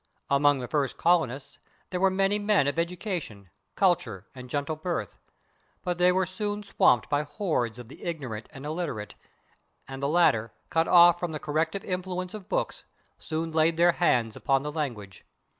Among the first colonists there were many men of education, culture and gentle birth, but they were soon swamped by hordes of the ignorant and illiterate, and the latter, cut off from the corrective influence of books, soon laid their hands upon the language.